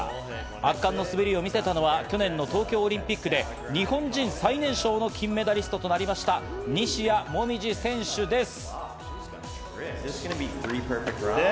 圧巻の滑りを見せたのは去年の東京オリンピックで日本人最年少の金メダリストとなった西矢椛選手です。